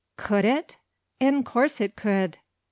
"Could it? In course it could."